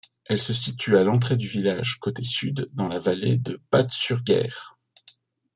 Elle se situe à l'entrée du village coté sud, dans la Vallée de Batsurguère.